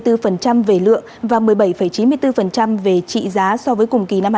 tăng một mươi ba năm mươi bốn về lượng và một mươi bảy chín mươi bốn về trị giá so với cùng kỳ năm hai nghìn hai mươi